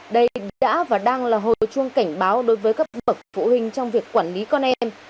đây đã và đang là hồi chuông cảnh báo đối với các bậc phụ huynh trong việc quản lý con em